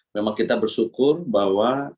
memang kita bersyukur bahwa